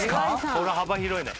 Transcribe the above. これ幅広いよ。